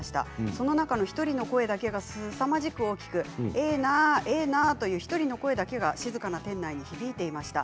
その中の１人の声だけがすさまじく大きくええなええなという１人の声だけが静かな庭園内に響いていました。